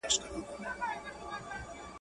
کارګه څوک دی چي پنیر په توره خوله خوري.